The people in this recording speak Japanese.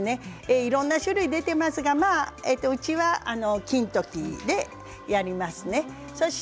いろんな種類が出ていますがうちは金時芋でやります。